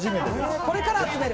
これから集める。